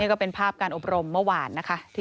ก็เป็นภาพการอบรมเมื่อวานนะคะ